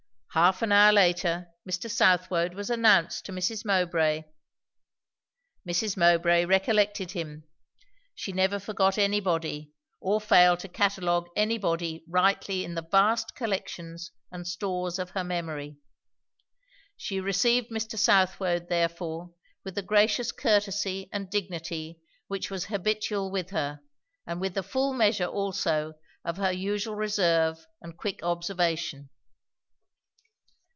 Half an hour later Mr. Southwode was announced to Mrs. Mowbray. Mrs. Mowbray recollected him; she never forgot anybody, or failed to catalogue anybody rightly in the vast collections and stores of her memory. She received Mr. Southwode therefore with the gracious courtesy and dignity which was habitual with her, and with the full measure also of her usual reserve and quick observation.